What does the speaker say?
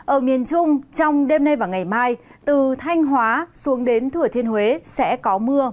ở miền trung trong đêm nay và ngày mai từ thanh hóa xuống đến thừa thiên huế sẽ có mưa